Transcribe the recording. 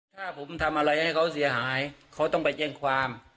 ถ้าผมทำอะไรให้เขาเสียหายเขาต้องไปแจ้งความ